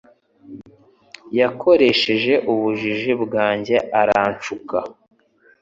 Yakoresheje ubujiji bwanjye aranshuka.